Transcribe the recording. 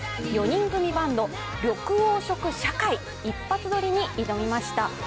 ４人組バンド、緑黄色社会、一発撮りに挑みました。